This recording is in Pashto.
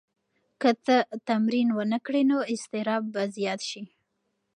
که ته تمرین ونه کړې نو اضطراب به زیات شي.